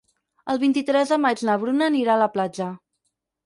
El vint-i-tres de maig na Bruna anirà a la platja.